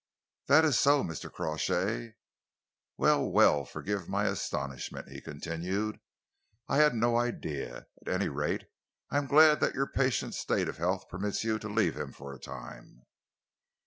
"That is so, Mr. Crawshay." "Well, well, forgive my astonishment," he continued. "I had no idea. At any rate I am glad that your patient's state of health permits you to leave him for a time."